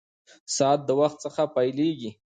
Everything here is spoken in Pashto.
ساعت د وخت څخه پېلېږي.